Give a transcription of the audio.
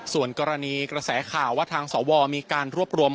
ส่วนกรณีกระแสข่าวว่าทางสวมีการรวบรวม